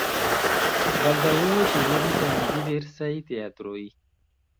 Baldaŭe ŝi ludis en diversaj teatroj.